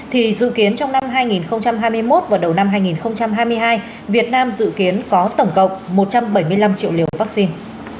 thì dự kiến trong năm hai nghìn hai mươi một và đầu năm hai nghìn hai mươi hai việt nam dự kiến có tổng cộng một trăm bảy mươi năm triệu liều vaccine